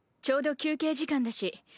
ちょうど休憩時間だし。